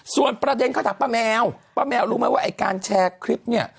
ส่วนประเด็นเขาถามป้าแมวป้าแมวรู้ไหมว่าไอ้การแชร์คลิปเนี่ย